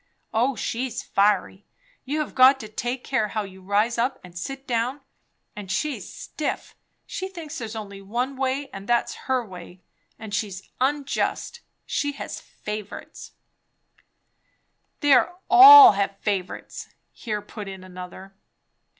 O she's fiery; you have got to take care how you rise up and sit down; and she's stiff, she thinks there's only one way and that's her way; and she's unjust, she has favourites " "They all have favourites!" here put in another.